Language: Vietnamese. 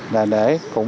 là để cũng